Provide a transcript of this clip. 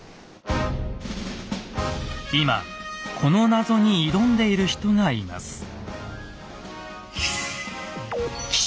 今この謎に挑んでいる人がいます。